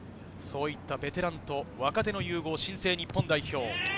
ベテランと若手の融合、新生日本代表。